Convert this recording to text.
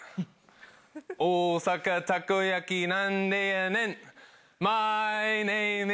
大阪たこ焼きなんでやねん。